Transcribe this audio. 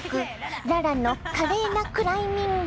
ララの華麗なクライミング！